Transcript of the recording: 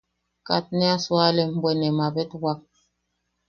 Kat ne a sualen bwe ne mabetwak.